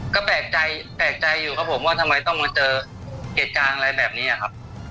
ก็แปลกใจแปลกใจอยู่ครับผมว่าทำไมต้องมาเจอเหตุการณ์อะไรแบบนี้ครับ